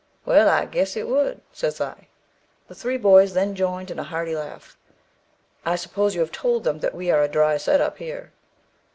'Well, I guess it would,' says I. The three boys then joined in a hearty laugh. 'I suppose you have told 'em that we are a dry set up here?'